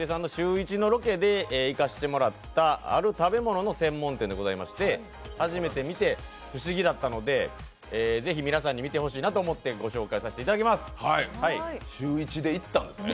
日テレさんの「シューイチ」のロケで行かせてもらったある食べ物の専門店でございまして初めて見て不思議だったので、ぜひ皆さんに見てほしいなと思ってご紹介させていただきます。